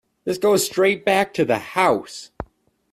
This goes straight back to the house!